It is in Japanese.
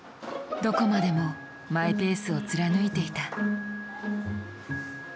どこまでもマイペースを貫いていた。